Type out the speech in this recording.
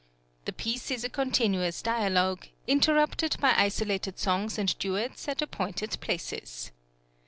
The piece is a continuous dialogue, interrupted by isolated songs and duets at appointed places.